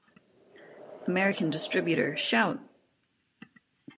American distributor Shout!